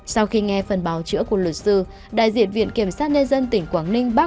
sau khi nghe phần báo chữa của luật sư đại diện viện kiểm sát nhân dân tỉnh quảng ninh bác